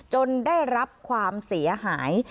จนได้รับความเสียหาย